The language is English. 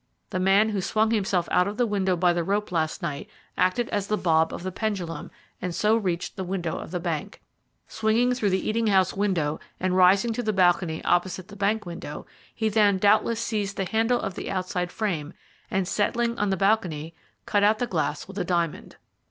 The man who swung himself out of the window by the rope last night acted as the bob of the pendulum, and so reached the window of the bank. Swinging through the eating house window and rising to the balcony outside the bank window, he then doubtless seized the handle of the outside frame and, settling on the balcony, cut out the glass with a diamond."